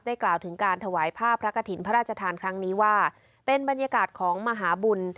กล่าวถึงการถวายผ้าพระกฐินพระราชทานครั้งนี้ว่าเป็นบรรยากาศของมหาบุญ